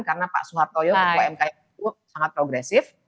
karena pak soehartojo dan mks itu sangat progresif